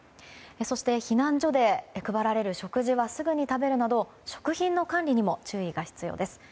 そして避難所で配られる食事はすぐに食べるなど食品の管理にも注意が必要です。